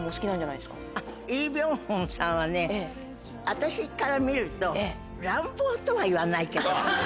私から見ると乱暴とは言わないけど。